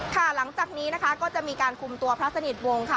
หลังจากนี้นะคะก็จะมีการคุมตัวพระสนิทวงศ์ค่ะ